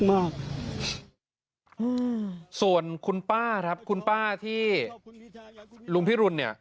ว่าส่วนคุณป้าครับชุยรุ้นพี่รุน